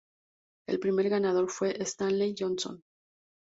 El primer ganador fue Stanley Johnson.